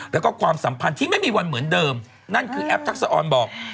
แล้วก็ความสัมพันธ์ที่ไม่มีวันเหมือนเดิมนั่นคือแอปทักษะออนบอก